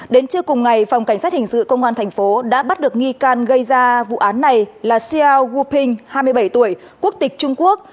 đến trước cùng ngày phòng cảnh sát hình sự công an tp đã bắt được nghi can gây ra vụ án này là xiao wuping hai mươi bảy tuổi quốc tịch trung quốc